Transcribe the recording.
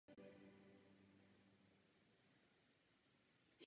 Kvůli slabé podpoře poslanců se však zákon nedostal ani do projednání ve druhém čtení.